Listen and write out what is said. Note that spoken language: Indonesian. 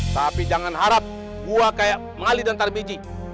tapi jangan harap gua kayak mali dan tarbiji